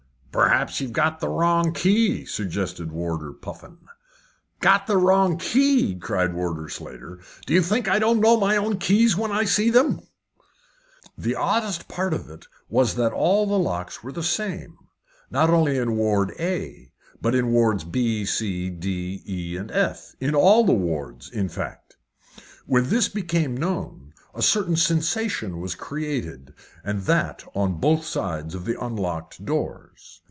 "Perhaps you've got the wrong key?" suggested Warder Puffin. "Got the wrong key!" cried Warder Slater. "Do you think I don't know my own keys when I see them?" The oddest part of it was that all the locks were the same. Not only in Ward A, but in Wards B, C, D, E, and F in all the wards, in fact. When this became known, a certain sensation was created, and that on both sides of the unlocked doors.